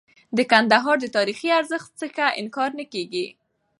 د کندهار د تاریخي ارزښت څخه انکار نه کيږي.